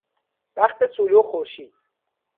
وقت طلوع خورشید